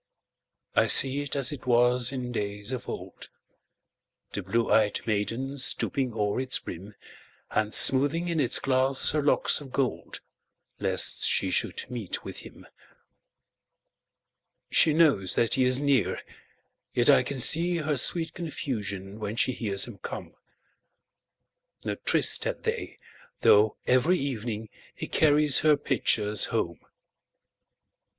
I see it as it was in days of old, The blue ey'd maiden stooping o'er its brim, And smoothing in its glass her locks of gold, Lest she should meet with him. She knows that he is near, yet I can seeHer sweet confusion when she hears him come.No tryst had they, though every evening heCarries her pitchers home.